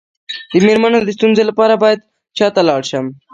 د میرمنو د ستونزو لپاره باید چا ته لاړ شم؟